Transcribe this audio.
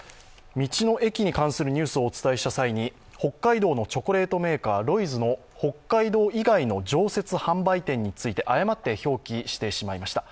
道の駅に関するニュースをお伝えした際に北海道のチョコレートメーカーロイズの北海道以外の常設販売店について誤って表記してしまいました。